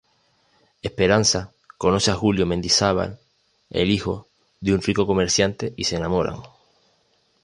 Esperanza conoce a Julio Mendizabal, el hijo de un rico comerciante y se enamoran.